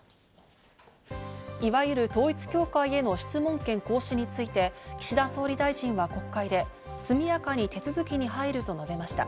いわゆる統一教会への質問権行使について岸田総理大臣は国会で速やかに手続きに入ると述べました。